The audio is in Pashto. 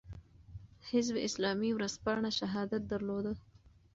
حزب اسلامي ورځپاڼه "شهادت" درلوده.